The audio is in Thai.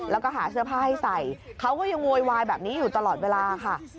แล้วก็หาเสื้อผ้าให้ใส่เขาก็ยังโวยวายแบบนี้อยู่ตลอดเวลาค่ะ